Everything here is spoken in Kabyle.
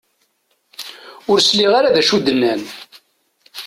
Ur sliɣ ara d acu i d-nnan.